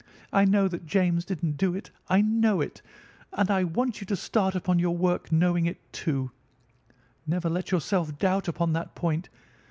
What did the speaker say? I know that James didn't do it. I know it, and I want you to start upon your work knowing it, too. Never let yourself doubt upon that point.